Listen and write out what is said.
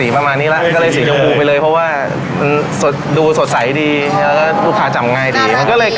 ปุ๋ะเปิดรูขาจำง่ายดี